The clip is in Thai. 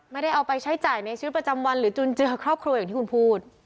ไม่ได้เอาไปใช้จ่ายในชีวิตประจำวันหรือจุนเจือครอบครัวอย่างที่คุณพูด